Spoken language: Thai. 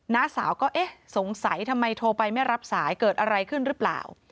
น้าสาวก็เอ๊ะสงสัยทำไมโทรไปไม่รับสายเกิดอะไรขึ้นหรือเปล่า